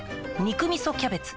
「肉みそキャベツ」